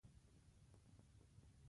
د ټکنالوجۍ له لارې هر کار ممکن شوی دی.